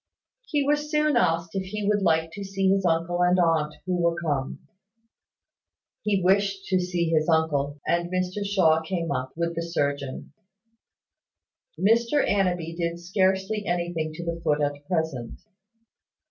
He was soon asked if he would like to see his uncle and aunt, who were come. He wished to see his uncle; and Mr Shaw came up, with the surgeon. Mr Annanby did scarcely anything to the foot at present.